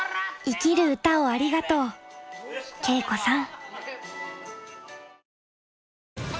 ［生きる歌をありがとう佳子さん］